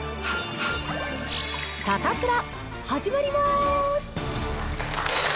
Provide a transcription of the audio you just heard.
サタプラ、始まりまーす！